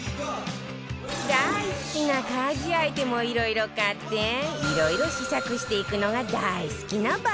大好きな家事アイテムをいろいろ買っていろいろ試作していくのが大好きな馬場さん